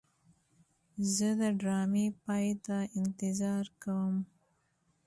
زه د ډرامې پای ته انتظار کوم.